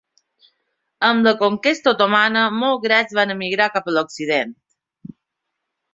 Amb la conquesta otomana, molts grecs van emigrar cap a Occident.